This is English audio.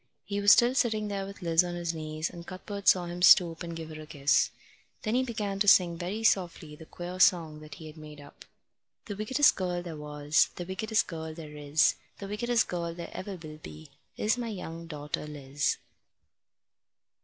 He was still sitting there with Liz on his knees, and Cuthbert saw him stoop and give her a kiss. Then he began to sing very softly the queer song that he had made up: The wickedest girl there was, The wickedest girl there is, The wickedest girl there ever will be Is my young daughter Liz.